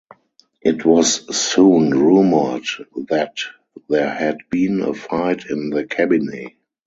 It was soon rumored that there had been a fight in the cabinet.